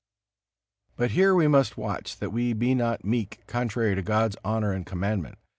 But here we must watch, that we be not meek contrary to God's honor and Commandment.